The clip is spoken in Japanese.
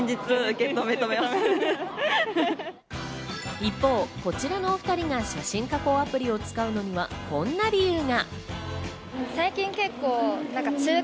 一方、こちらのお２人が写真加工アプリを使うのには、こんな理由が。